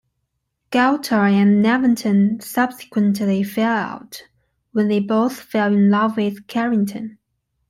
Gertler and Nevinson subsequently fell out when they both fell in love with Carrington.